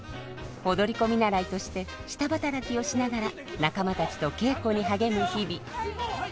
踊り子見習いとして下働きをしながら仲間たちと稽古に励む日々。